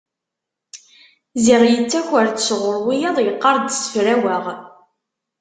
Ziɣ yettaker-d sɣur wiyaḍ, yeqqar-d ssefraweɣ!